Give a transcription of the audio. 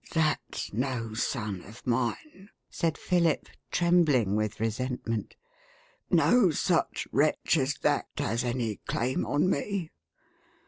11 " That's no son of mine," said Philip, trembling with re sentment. " No such wretch as that, has any claim on me.